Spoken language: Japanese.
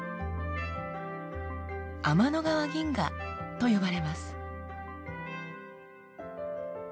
「天の川銀河」と呼ばれます。